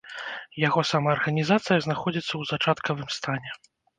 Яго самаарганізацыя знаходзіцца ў зачаткавым стане.